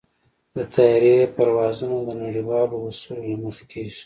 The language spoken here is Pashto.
د طیارې پروازونه د نړیوالو اصولو له مخې کېږي.